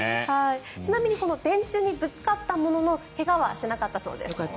ちなみに電柱にぶつかったものの怪我はしなかったそうです。